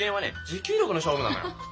持久力の勝負なのよ。